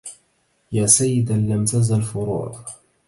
يا سيدا لم تزل فروع